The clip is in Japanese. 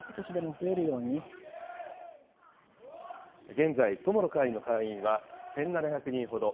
現在、友の会の会員は１７００人ほど。